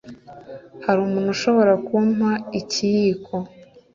Hari umuntu ushobora kumpa ikiyiko?